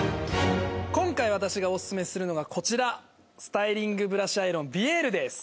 今回私がお薦めするのがこちらスタイリングブラシアイロンヴィエールです。